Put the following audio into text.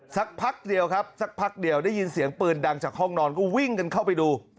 สักพักเดียวครับสักพักเดียวได้ยินเสียงปืนดังจากห้องนอนก็วิ่งกันเข้าไปดู